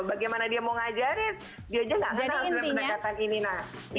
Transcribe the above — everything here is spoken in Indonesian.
bagaimana dia mau mengajarin dia saja tidak mengenal dengan penegakan ini